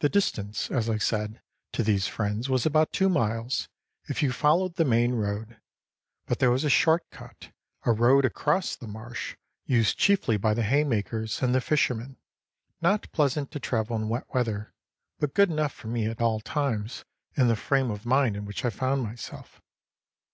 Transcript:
The distance, as I said, to these friends was about two miles, if you followed the main road; but there was a short cut, a road across the marsh, used chiefly by the hay makers and the fishermen, not pleasant to travel in wet weather, but good enough for me at all times in the frame of mind in which I found myself.